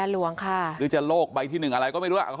หรือจะโลกไปที่หนึ่งอะไรก็ไม่รู้